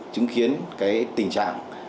chứng kiến tình trạng